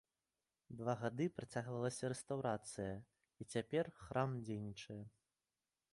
Два гады працягвалася рэстаўрацыя, і цяпер храм дзейнічае.